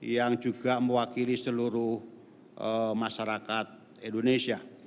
yang juga mewakili seluruh masyarakat indonesia